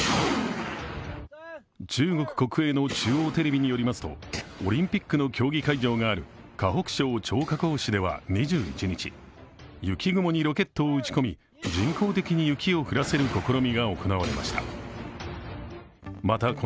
中国国営の中央テレビによりますとオリンピックの競技会場がある河北省張家口市では２１日、雪雲にロケットを撃ち込み、人工的に雪を降らせる試みが行われました。